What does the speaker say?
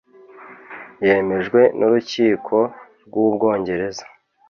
yemejwe n’urukiko rw’u Bwongereza